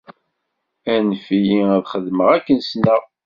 Anef-iyi ad t-xedmeɣ akken sneɣ.